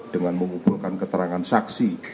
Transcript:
dengan mengumpulkan keterangan saksi